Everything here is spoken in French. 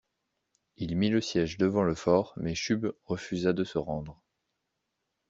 Il mit le siège devant le fort mais Chubb refusa de se rendre.